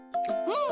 うん！